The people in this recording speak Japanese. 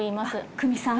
久美さん